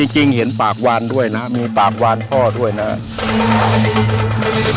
จริงเห็นปากวานด้วยนะมีปากวานพ่อด้วยนะครับ